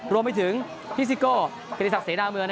รวมไปถึงฮิซิโกกริศักดิ์เสนาเมือง